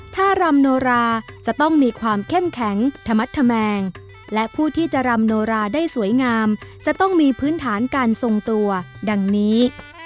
ถ้ารำโนราจะต้องมีความเข้มแข็งธมัดธแมงและผู้ที่จะรำโนราได้สวยงามจะต้องมีพื้นฐานการทรงตัวดังนี้